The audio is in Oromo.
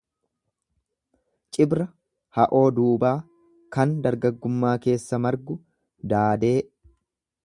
Cibra ha'oo duubaa kan dargaggummaa keessa margu, daadee.